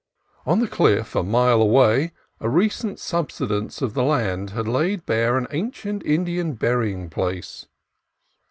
On the cliff a mile away a recent subsidence of the land had laid bare an ancient Indian burying place.